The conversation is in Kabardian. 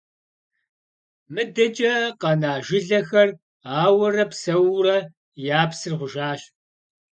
МыдэкӀэ къэна жылэхэр ауэрэ псэуурэ, я псыр гъужащ.